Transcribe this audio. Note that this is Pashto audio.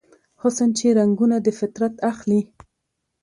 حسن چې رنګونه دفطرت اخلي